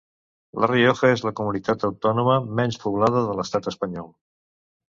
La Rioja és la comunitat autònoma menys poblada de l'Estat espanyol.